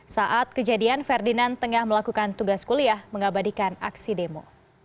saat kejadian ferdinand tengah melakukan tugas kuliah mengabadikan aksi demo